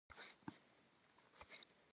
Jjeşırıde maxuerıdıheşşx.